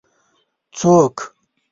ـ څوک؟